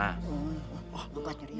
oh angkatnya rima ya